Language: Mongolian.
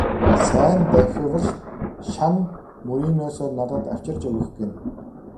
Сайн давхивал шан мөрийнөөсөө надад авчирч өгөх гэнэ.